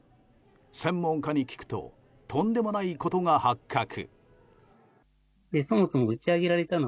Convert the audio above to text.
専門家に聞くととんでもないことが発覚。